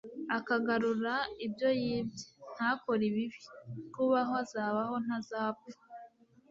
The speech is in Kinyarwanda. akagarura ibyo yibye.., ntakore ibibi, kubaho azabaho ntazapfa.